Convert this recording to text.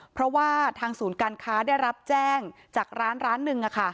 เพราะว่าทางศูนย์การค้าได้รับแจ้งจากร้านร้านหนึ่ง